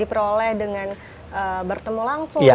itu tentunya beda ya pak